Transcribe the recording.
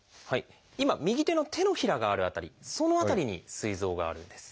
今右手の手のひらがある辺りその辺りにすい臓があるんです。